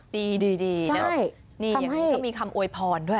ดีอย่างนี้ก็มีคำโอยพรด้วย